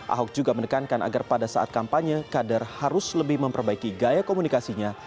ahok juga menekankan agar pada saat kampanye kader harus lebih memperbaiki gaya komunikasinya